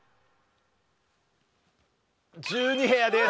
１２部屋です。